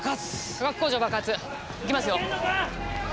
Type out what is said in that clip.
化学工場爆発いきますよ。